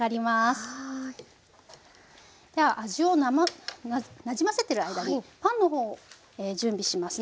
では味をなじませている間にパンの方を準備しますね。